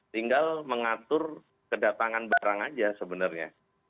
tinggal mengatur kedatangan barang aja sebenarnya